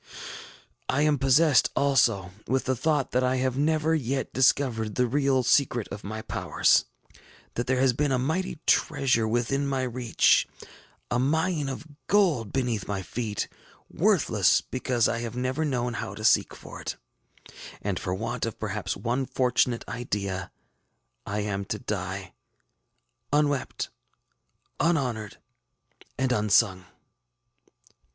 ŌĆ£I am possessed, also, with the thought that I have never yet discovered the real secret of my powers; that there has been a mighty treasure within my reach, a mine of gold beneath my feet, worthless because I have never known how to seek for it; and for want of perhaps one fortunate idea, I am to die ŌĆśUnwept, unhonored, and unsung.